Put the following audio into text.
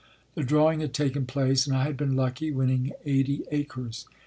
The drawing had taken place and I had been lucky, winning eighty acres.